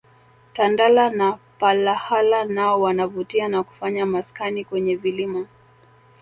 Tandala na palahala nao wanavutia na kufanya maskani kwenye vilima